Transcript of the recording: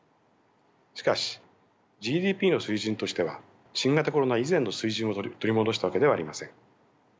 しかしＧＤＰの水準としては新型コロナ以前の水準を取り戻したわけではありません。